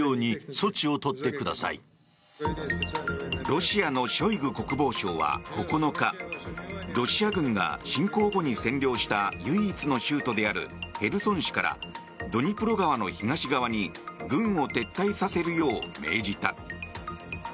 ロシアのショイグ国防相は９日ロシア軍が侵攻後に占領した唯一の州都であるヘルソン市からドニプロ川の東側に軍を撤退させるよう命じた。